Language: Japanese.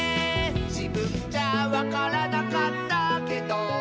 「じぶんじゃわからなかったけど」